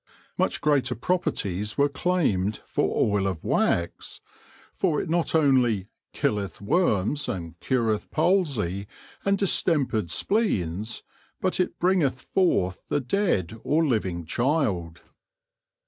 Much greater properties were claimed for Oil of Wax, for it not only " killeth worms and cureth palsy and distempered spleens, but it bringeth forth the dead or living child.'